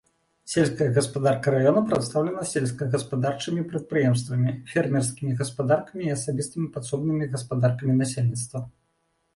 Сельская гаспадарка раёна прадстаўлена сельскагаспадарчымі прадпрыемствамі, фермерскімі гаспадаркамі і асабістымі падсобнымі гаспадаркамі насельніцтва.